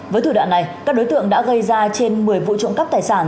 với thủ đoạn này các đối tượng đã gây ra trên một mươi vụ trộm cắp tài sản